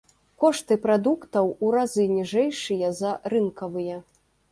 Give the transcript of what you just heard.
Кошты прадуктаў у разы ніжэйшыя за рынкавыя.